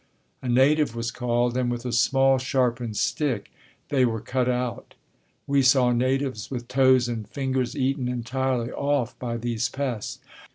A native was called and with a small sharpened stick they were cut out. We saw natives with toes and fingers eaten entirely off by these pests.